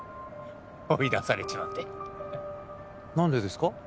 追い出されちまって何でですか？